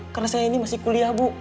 karena saya ini masih kuliah bu